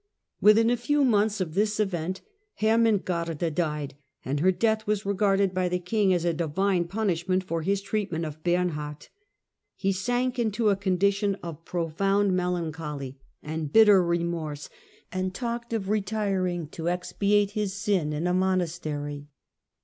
Within a few months of this event Hermengarda died, and her death was regarded by the king as a Divine punishment for his treatment of Bernhard. He sank into a condition of profound melancholy and bitter 208 THE DAWN OF MEDIAEVAL EUROPE remorse, and talked of retiring to expiate his sin in a monastery.